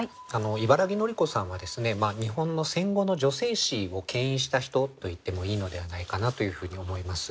茨木のり子さんは日本の戦後の女性史をけん引した人と言ってもいいのではないかなというふうに思います。